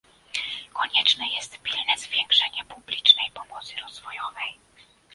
Konieczne jest pilne zwiększenie publicznej pomocy rozwojowej